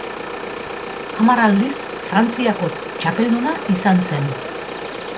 Hamar aldiz Frantziako txapelduna izan zen.